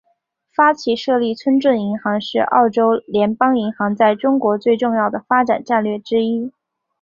发起设立村镇银行是澳洲联邦银行在中国最重要的发展战略之一。